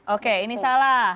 oke ini salah